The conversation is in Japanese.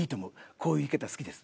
こういう方好きです」。